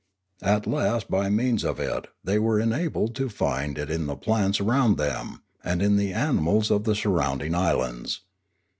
At last by means of it they were enabled to find it in the plants around them, and in the animals of the surrounding islands.